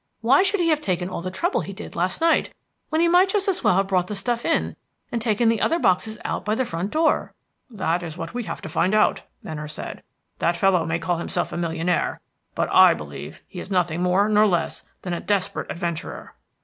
Why should he have taken all the trouble he did last night, when he might just as well have brought the stuff in, and taken the other boxes out by the front door?" "That is what we have to find out," Venner said. "That fellow may call himself a millionaire, but I believe he is nothing more nor less than a desperate adventurer."